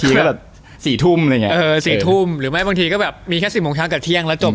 อีกครั้งก็แบบ๔ทุ่ม